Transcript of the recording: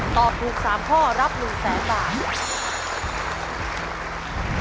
ตอบถูก๓ข้อรับ๑๐๐๐๐บาท